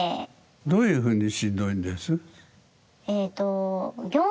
どういう風にしんどいです？